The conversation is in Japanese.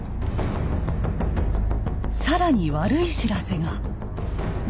更に悪い知らせが。